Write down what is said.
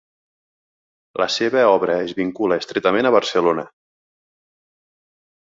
La seva obra es vincula estretament a Barcelona.